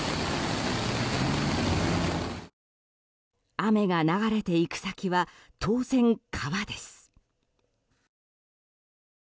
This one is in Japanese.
雨が流れていく先は当然、川です。